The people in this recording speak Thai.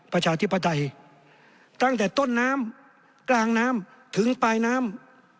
ประชาธิปไตยตั้งแต่ต้นน้ำกลางน้ำถึงปลายน้ำ